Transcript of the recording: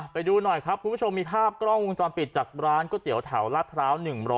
ไปดูหน่อยครับคุณผู้ชมมีภาพกล้องวงจรปิดจากร้านก๋วยเตี๋ยวแถวลาดพร้าว๑๐